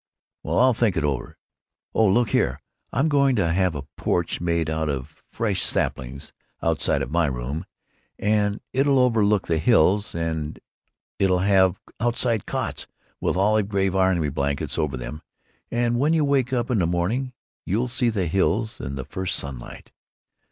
"Well, I'll think it over, but——Oh, look here, I'm going to have a porch made out of fresh saplings, outside of my room, and it 'll overlook the hills, and it 'll have outdoor cots with olive gray army blankets over them, and when you wake up in the morning you'll see the hills in the first sunlight."